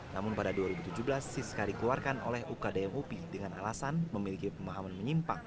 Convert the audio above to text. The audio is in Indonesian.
namun pada dua ribu tujuh belas siska dikeluarkan oleh ukdm upi dengan alasan memiliki pemahaman menyimpang